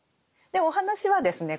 でお話はですね